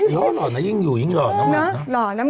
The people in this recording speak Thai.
โหหล่อนะยิ่งอยู่ยิ่งหล่อนะ